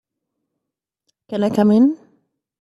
Can I come in?